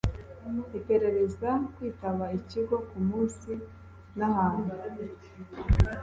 iperereza kwitaba Ikigo ku munsi n ahantu